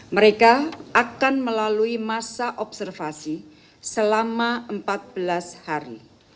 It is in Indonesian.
mereka akan melalui masa observasi selama empat belas hari